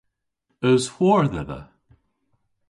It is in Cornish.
Eus hwor dhedha?